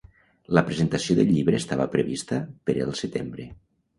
La presentació del llibre estava prevista per el setembre